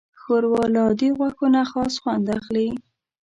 ښوروا له عادي غوښو نه خاص خوند اخلي.